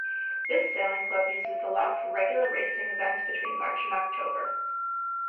This sailing club uses the loch for regular racing events between March and October.